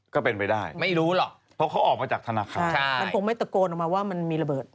ก็เป็นไปได้